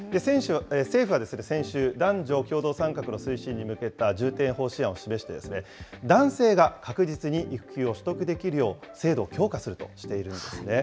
政府は先週、男女共同参画の推進に向けた重点方針案を示して、男性が確実に育休を取得できるよう、制度を強化するとしているんですね。